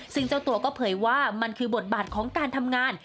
ซึ่งเจ้าตัวก็เผยว่ามันคือบทบาทของการทำงาน